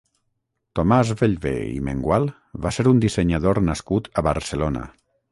Tomás Vellvé i Mengual va ser un dissenyador nascut a Barcelona.